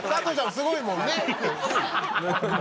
すごいもんね？